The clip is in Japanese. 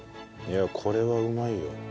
いやこれはうまいよ。